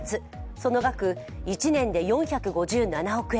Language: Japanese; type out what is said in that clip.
その額、１年で４５７億円。